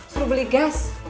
suruh beli gas